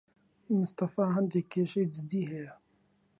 مستەفا هەندێک کێشەی جددی هەیە.